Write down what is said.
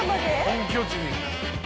本拠地に。